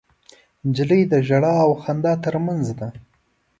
نجلۍ د ژړا او خندا تر منځ ده.